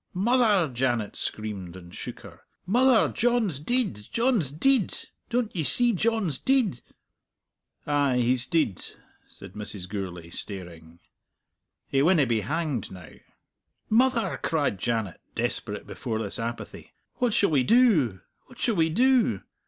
"Mother!" Janet screamed, and shook her. "Mother, John's deid! John's deid! Don't ye see John's deid?" "Ay, he's deid," said Mrs. Gourlay, staring. "He winna be hanged now!" "Mother!" cried Janet, desperate before this apathy, "what shall we do? what shall we do?